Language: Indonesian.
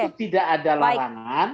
itu tidak ada lawangan